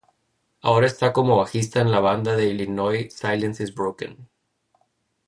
Ahora está como bajista en la banda de Illinois Silence Is Broken.